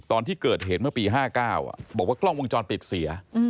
ตอนที่เกิดเหตุเมื่อปี๕๙บอกว่ากล้องวงจรปิดเสีย